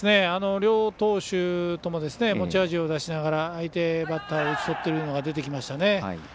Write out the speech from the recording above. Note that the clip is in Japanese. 両投手とも持ち味を出しながら相手バッター打ち取っているのが出てきましたね。